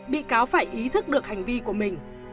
bị cáo phải ý thức được hành vi của mình